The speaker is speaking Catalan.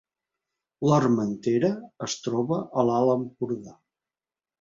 L’Armentera es troba a l’Alt Empordà